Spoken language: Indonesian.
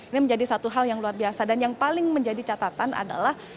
ini menjadi satu hal yang luar biasa dan yang paling menjadi catatan adalah